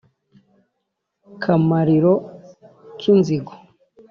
kamariro k'inzigo